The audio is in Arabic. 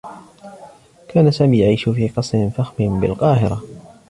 كان سامي يعيش في قصر فخم بالقاهرة.